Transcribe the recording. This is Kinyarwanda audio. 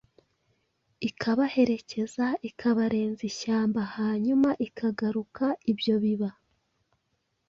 ikabaherekeza, ikabarenza ishyamba, hanyuma ikagaruka. Ibyo biba